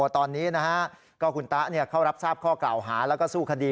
ตอนนี้ก็คุณตะเข้ารับทราบข้อกล่าวหาแล้วก็สู้คดี